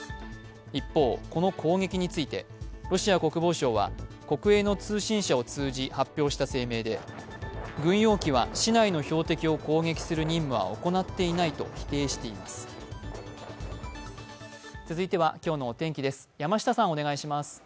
一方、この攻撃についてロシア国防省は国営の通信社を通じ発表した声明で軍用機は市内の標的を攻撃する任務は行っていないと否定しています。